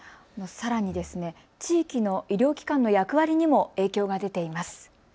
さらに地域の医療機関の役割にも影響が出ています。